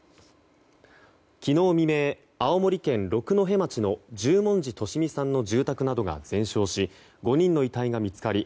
昨日未明、青森県六戸町の十文字利美さんの住宅などが全焼し５人の遺体が見つかり